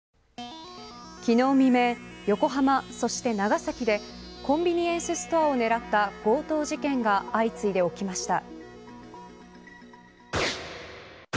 昨日未明、横浜そして長崎でコンビニエンスストアを狙った強盗事件が相次いで起きました。